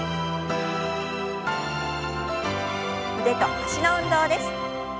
腕と脚の運動です。